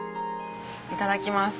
いただきます